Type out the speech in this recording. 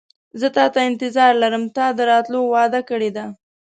زه تاته انتظار لرم تا د راتلو وعده کړې ده.